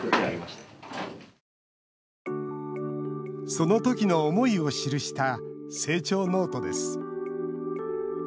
その時の思いを記した成長ノートです